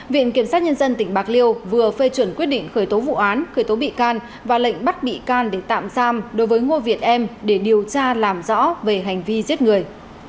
viện kiểm sát nhân dân tỉnh bạc liêu vừa phê chuẩn quyết định khởi tố vụ án khởi tố bị can và lệnh bắt bị can để tạm giam đối với ngô việt em để điều tra làm rõ về hành vi giết người